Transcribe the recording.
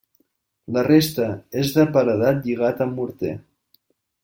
La resta és de paredat lligat amb morter.